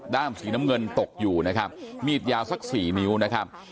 ้ามสีน้ำเงินตกอยู่นะครับมีดยาวสักสี่นิ้วนะครับ